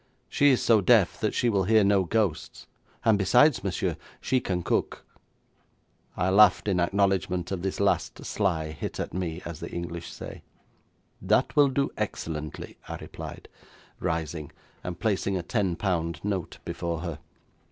She is so deaf that she will hear no ghosts, and besides, monsieur, she can cook.' I laughed in acknowledgment of this last sly hit at me, as the English say. 'That will do excellently,' I replied, rising, and placing a ten pound note before her.